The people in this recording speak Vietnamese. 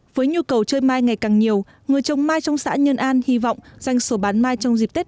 với nhu cầu chơi mai ngày càng nhiều người trồng mai trong xã nhân an hy vọng doanh số bán mai trong dịp tết